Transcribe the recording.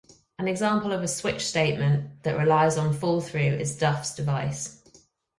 An example of a switch statement that relies on fallthrough is Duff's device.